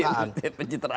tidak ada pencitraan